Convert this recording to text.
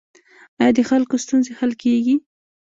آیا د خلکو ستونزې حل کیږي؟